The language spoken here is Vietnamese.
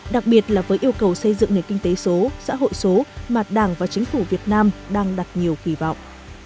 đặc biệt là với yêu cầu xây dựng nền kinh tế số xã hội số mà đảng và chính phủ việt nam đang đặt nhiều kỳ vọng